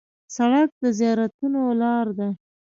سړک د زیارتونو لار ده.